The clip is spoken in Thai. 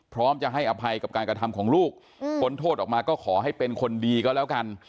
พร้อมจะให้อภัยกับการกระทำของลูกพ้นโทษออกมาก็ขอให้เป็นคนดีก็แล้วกัน